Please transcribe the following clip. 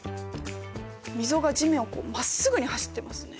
溝が地面をまっすぐに走ってますね。